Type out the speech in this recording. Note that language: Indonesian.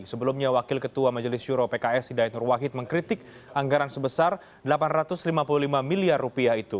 sebelumnya wakil ketua majelis juro pks hidayat nur wahid mengkritik anggaran sebesar delapan ratus lima puluh lima miliar rupiah itu